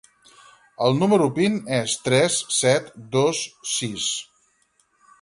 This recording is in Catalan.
El número PIN és tres, set, dos, sis.